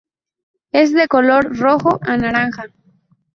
Es de color rojo a naranja.